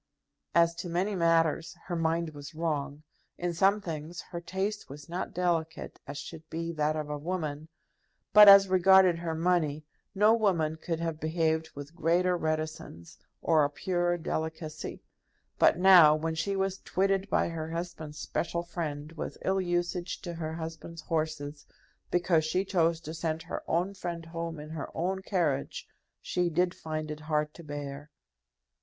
As to many matters her mind was wrong. In some things her taste was not delicate as should be that of a woman. But, as regarded her money, no woman could have behaved with greater reticence, or a purer delicacy. But now, when she was twitted by her husband's special friend with ill usage to her husband's horses, because she chose to send her own friend home in her own carriage, she did find it hard to bear.